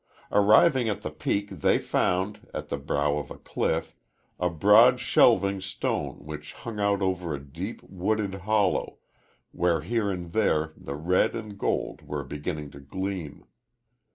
Arriving at the peak they found, at the brow of a cliff, a broad, shelving stone which hung out over a deep, wooded hollow, where here and there the red and gold were beginning to gleam.